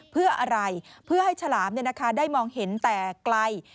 เพื่ออะไรเพื่อให้ฉลามได้มองเห็นแต่ไกล